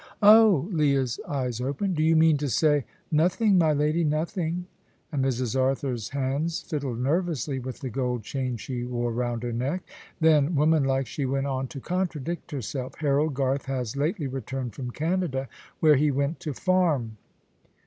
"Oh!" Leah's eyes opened. "Do you mean to say ?" "Nothing, my lady nothing"; and Mrs. Arthur's hands fiddled nervously with the gold chain she wore round her neck. Then, woman like, she went on to contradict herself. "Harold Garth has lately returned from Canada, where he went to farm."